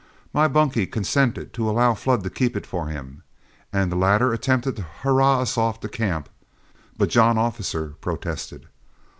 My bunkie consented to allow Flood to keep it for him, and the latter attempted to hurrah us off to camp, but John Officer protested.